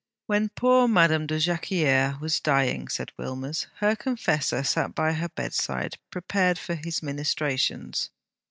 'When poor Madame de Jacquieres was dying,' said Wilmers, 'her confessor sat by her bedside, prepared for his ministrations.